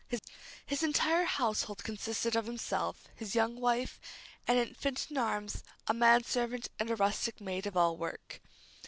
His entire household consisted of himself, his young wife, an infant in arms, a man servant and a rustic maid of all work.